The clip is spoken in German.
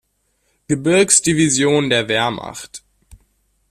Gebirgs-Division der Wehrmacht.